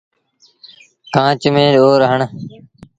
کآݩچ ميݩ ڏور هڻ۔